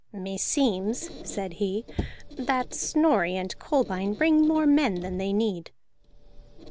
"Meseems," said he, "that Snorri and Kolbein bring more men than they need."